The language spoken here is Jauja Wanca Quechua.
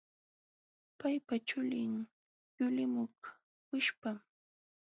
Paypa chulin yuliqmun wishpam.